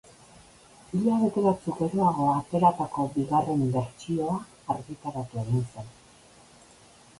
Hilabete batzuk geroago ateratako bigarren bertsioa argitaratu egin zen.